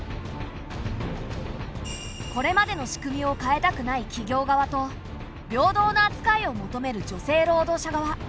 これまでの仕組みを変えたくない企業側と平等なあつかいを求める女性労働者側。